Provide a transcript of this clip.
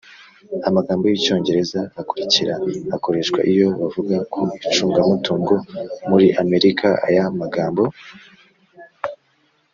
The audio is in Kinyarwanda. Amagambo y Icyongereza akurikira akoreshwa iyo bavuga ku icungamutungo muri Amerika Aya magambo